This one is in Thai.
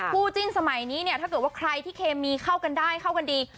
จิ้นสมัยนี้เนี่ยถ้าเกิดว่าใครที่เคมีเข้ากันได้เข้ากันดี